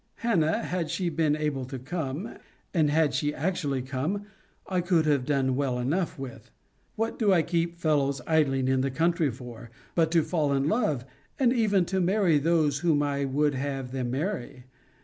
Hannah, had she been able to come, and had she actually come, I could have done well enough with. What do I keep fellows idling in the country for, but to fall in love, and even to marry those whom I would have them marry?